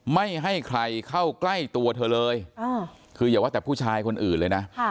ไม่ให้ใครเข้าใกล้ตัวเธอเลยคืออย่าว่าแต่ผู้ชายคนอื่นเลยนะ